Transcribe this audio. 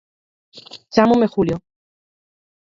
Chámome Julio.